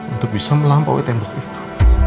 untuk bisa melampaui tembok itu